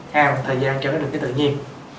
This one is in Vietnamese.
ha một thời gian cho nó được cái tự nhiên